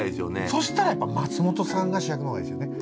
そしたらやっぱ松本さんが主役のほうがいいですよね。